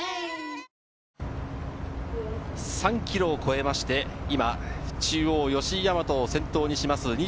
３ｋｍを越えまして、今、中央・吉居大和を先頭にします